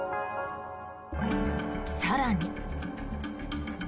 更に。